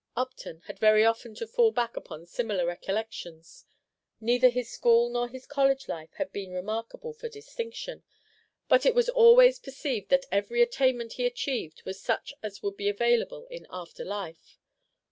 Upton had very often to fall back upon similar recollections; neither his school nor his college life had been remarkable for distinction; but it was always perceived that every attainment he achieved was such as would be available in after life.